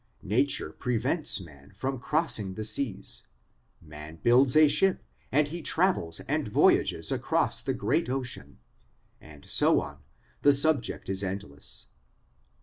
Nature prevents man from crossing the seas, man builds a ship, and he travels and voyages across the great ocean, and so on; the subject is endless.